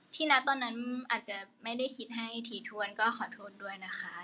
ณตอนนั้นอาจจะไม่ได้คิดให้ถี่ถ้วนก็ขอโทษด้วยนะคะ